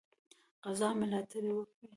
غزا ملاتړ وکړي.